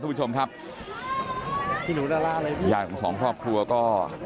คุณผู้ชมครับญาติของสองครอบครัวก็